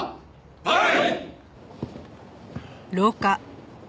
はい！